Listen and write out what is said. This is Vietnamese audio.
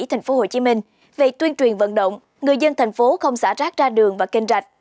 tp hcm về tuyên truyền vận động người dân thành phố không xả rác ra đường và kênh rạch